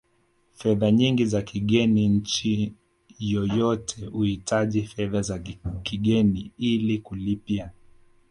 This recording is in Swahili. fedha nyingi za kigeni nchi yoyote huhitaji fedha za kigeni ili kulipia